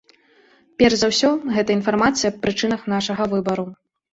Перш за ўсё, гэта інфармацыя аб прычынах нашага выбару.